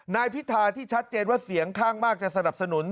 นายพิธาที่ชัดเจนว่าเสียงข้างมากจะสนับสนุน